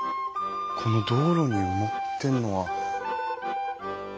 この道路に埋まってるのは。